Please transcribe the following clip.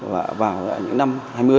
vào những năm hai mươi